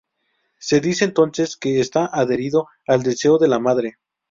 Se dice entonces que está adherido al "deseo de la madre".